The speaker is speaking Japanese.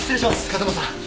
風間さん。